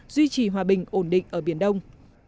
duy trì hòa bình ổn định ở biển đông